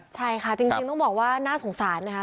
ใช่ค่ะจริงต้องบอกว่าน่าสงสารนะคะ